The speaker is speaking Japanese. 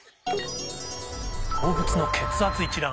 動物の血圧一覧。